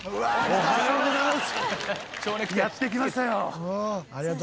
おはようございます。